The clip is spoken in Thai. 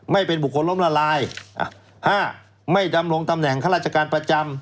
ไม่เป็นบุคคลล้มละลาย๕ไม่ดำรงตำแหน่งข้าราชการประจำ